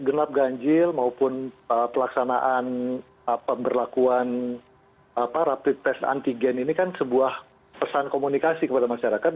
genap ganjil maupun pelaksanaan pemberlakuan rapid test antigen ini kan sebuah pesan komunikasi kepada masyarakat